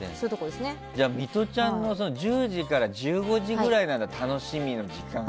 じゃあミトちゃんの１０時から１５時ぐらいが楽しみの時間だね。